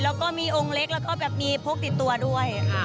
แล้วก็มีองค์เล็กและก็มีโภคติดตัวด้วย